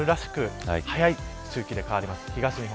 春らしく早い周期で変わります。